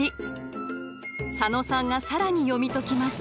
佐野さんが更に読みときます。